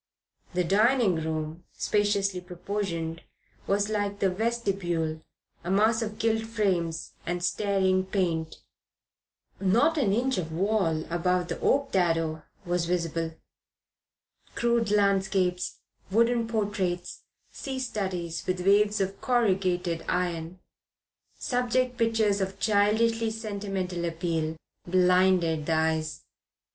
The dining room, spaciously proportioned, was, like the vestibule, a mass of gilt frames and staring paint. Not an inch of wall above the oak dado was visible. Crude landscapes, wooden portraits, sea studies with waves of corrugated iron, subject pictures of childishly sentimental appeal, blinded the eyes.